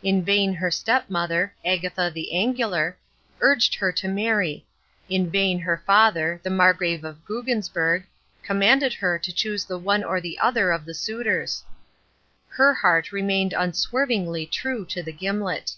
In vain her stepmother, Agatha the Angular, urged her to marry. In vain her father, the Margrave of Buggensberg, commanded her to choose the one or the other of the suitors. Her heart remained unswervingly true to the Gimlet.